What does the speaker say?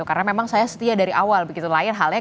karena memang saya setia dari awal lain halnya